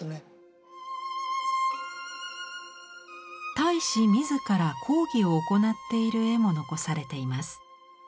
太子自ら講義を行っている絵も残されています。